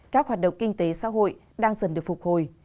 các hoạt động kinh tế xã hội đang dần được phục hồi